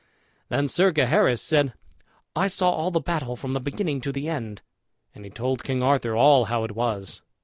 Then Sir Gaheris said, "I saw all the battle from the beginning to the end," and he told King Arthur all how it was.